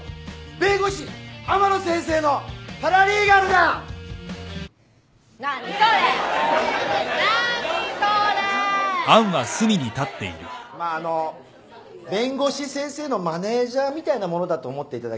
弁護士先生のマネジャーみたいなものだと思っていただければ。